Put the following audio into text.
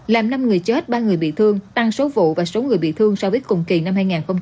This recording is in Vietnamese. làm năm người chết ba người bị thương tăng số vụ và số người bị thương so với cùng kỳ năm hai nghìn hai mươi ba